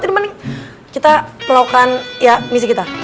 jadi mending kita pelawakan ya misi kita